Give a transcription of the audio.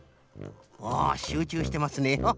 おしゅうちゅうしてますね。ハハッ。